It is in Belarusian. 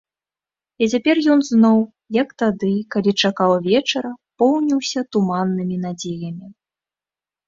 І цяпер ён зноў, як тады, калі чакаў вечара, поўніўся туманнымі надзеямі.